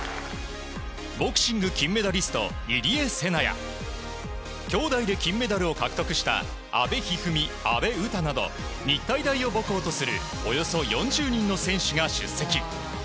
ボクシング金メダリスト、入江聖奈や、兄妹で金メダルを獲得した阿部一二三、阿部詩など、日体大を母校とするおよそ４０人の選手が出席。